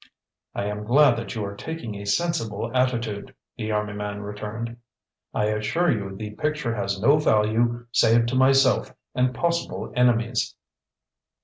"I am glad that you are taking a sensible attitude," the army man returned. "I assure you the picture has no value save to myself and possible enemies.